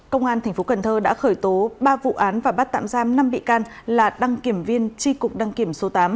công an tp cn đã khởi tố ba vụ án và bắt tạm giam năm bị can là đăng kiểm viên tri cục đăng kiểm số tám